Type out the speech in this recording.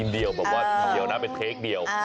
เดียวนะครบแปปเดียว